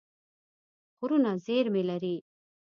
غرونه زېرمې لري.